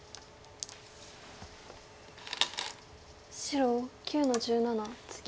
白９の十七ツギ。